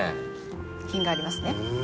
品がありますね。